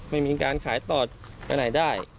ให้ขายต่อไปไหนได้